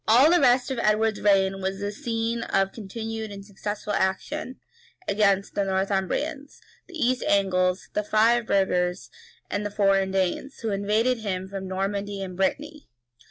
All the rest of Edward's reign was a scene of continued and successful action against the Northumbrians, the East Angles, the Five burgers, and the foreign Danes, who invaded him from Normandy and Brittany.